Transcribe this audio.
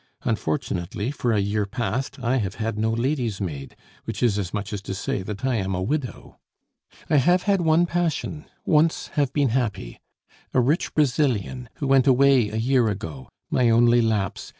Unfortunately, for a year past, I have had no ladies' maid, which is as much as to say that I am a widow! "I have had one passion, once have been happy a rich Brazilian who went away a year ago my only lapse!